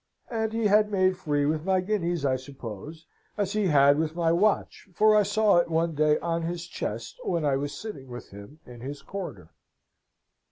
And he had made free with my guineas, I suppose, as he had with my watch, for I saw it one day on his chest when I was sitting with him in his quarter.